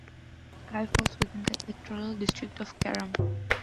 Skye falls within the Electoral district of Carrum.